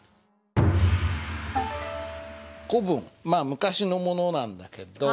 古文まあ昔のものなんだけど。